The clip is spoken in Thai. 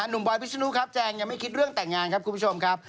นุ่มบอยพิษนุแจงยังไม่คิดเรื่องแต่งงานครับ